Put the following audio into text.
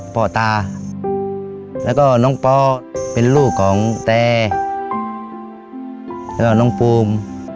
เพื่อที่สุขมันนะคะ